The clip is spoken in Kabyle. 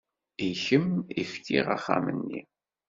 I kemm i fkiɣ axxam-nni.